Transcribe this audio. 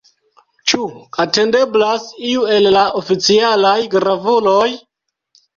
Ĉu atendeblas iu el la oficialaj gravuloj?